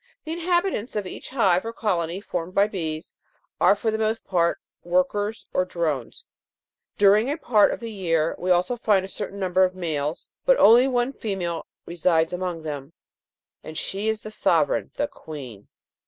The inhabitants of each hive or colony formed by bees are for the most part work ers or drones ; during a part of the year we also find a certain number of males; but only one female resides among them, and she is the sovereign, the Queen.